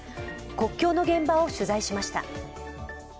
国境の現場を取材しました。